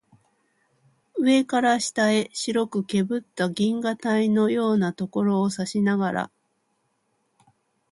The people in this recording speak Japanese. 上から下へ白くけぶった銀河帯のようなところを指さしながら